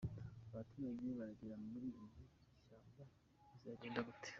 Abaturage baragira muri iri shyamba bizagenda gute?.